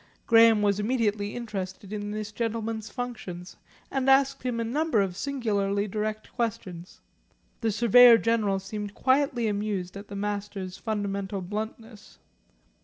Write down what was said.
Graham was immediately interested in this gentleman's functions, and asked him a number of singularly direct questions. The Surveyor General seemed quietly amused at the Master's fundamental bluntness.